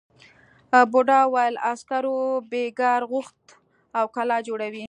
بوڊا وویل عسکرو بېگار غوښت او کلا جوړوي.